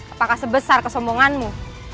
apakah sebesar kesombonganmu